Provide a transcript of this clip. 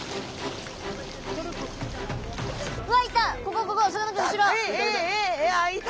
わっいた。